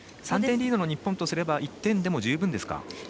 ３点リードの日本からすれば１点でも十分ですか？